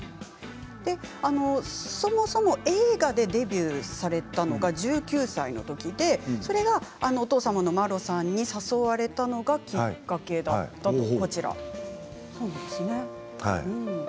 そもそも映画でデビューされたのが１９歳のときでお父様の麿さんに誘われたのがきっかけだったそうですね。